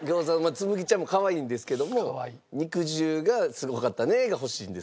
紬ちゃんもかわいいんですけども「肉汁がすごかったね」が欲しいんです。